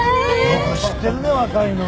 よく知ってるね若いのに。